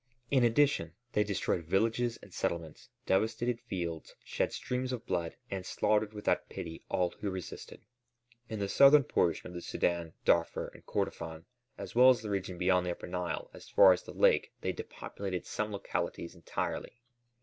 In addition they destroyed villages and settlements, devastated fields, shed streams of blood, and slaughtered without pity all who resisted. In the southern portion of the Sudân, Darfur, and Kordofân, as well as the region beyond the Upper Nile as far as the lake they depopulated some localities entirely.